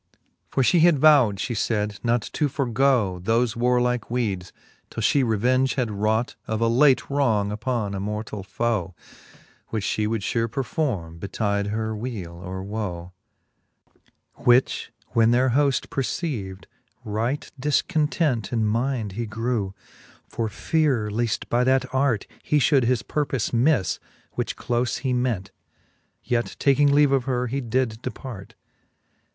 For ftie had vow'd, fhe fayd, not to forgo Thofe warlike deedes, till fhe revenge had wrought Of a late wrong upon a mortal foe ; Which fhe would fure performe, betide her wele or wo. XXIV. Which Canto VI. the Faerie ^eene. 95 XXIV. Which when their hoft perceiv'd, right difcontent In mind he grew, for feare leaft by that art He fhould his purpofe mifTe, which clofe he ment : Yet taking leave of her, he did depart.